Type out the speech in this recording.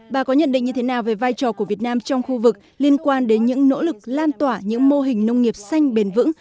bà có nhận định như thế nào về vai trò của việt nam trong khu vực liên quan đến những nỗ lực lan tỏa những mô hình nông nghiệp xanh bền vững